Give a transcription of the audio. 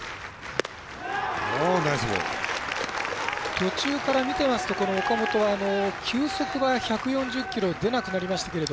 途中から見ていますと、岡本は球速は１４０キロ出なくなりましたけど。